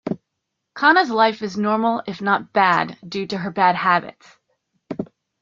Kana's life is normal if not bad due to her bad habits.